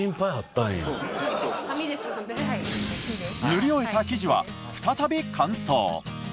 塗り終えた生地は再び乾燥。